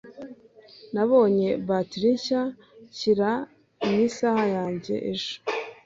Nabonye bateri nshya nshyira mu isaha yanjye ejo.